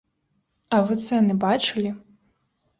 А вы цэны бачылі?